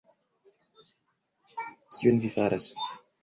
kion vi faras?